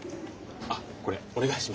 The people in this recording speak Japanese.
あっこれお願いします。